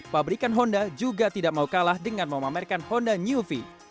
pabrikan honda juga tidak mau kalah dengan memamerkan honda new v